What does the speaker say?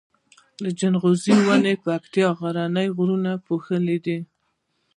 جلغوزيو ونی پکتيا غرونو پوښلي دی